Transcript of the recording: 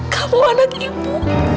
kamu anak ibu